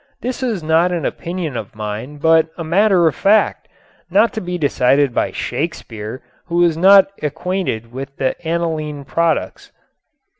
This is not an opinion of mine but a matter of fact, not to be decided by Shakespeare, who was not acquainted with the aniline products.